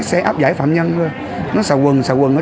tại nhà hát kịch sân khấu nhỏ năm b